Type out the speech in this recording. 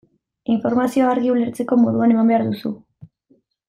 Informazioa argi, ulertzeko moduan, eman behar duzu.